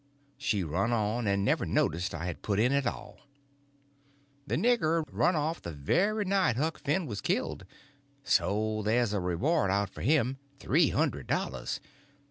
She run on, and never noticed I had put in at all: "The nigger run off the very night Huck Finn was killed. So there's a reward out for him—three hundred dollars.